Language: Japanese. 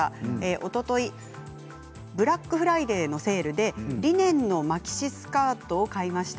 おとといブラックフライデーのセールでリネンのマキシスカートを買いました。